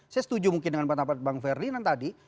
saya setuju mungkin dengan pendapat bang ferdinand tadi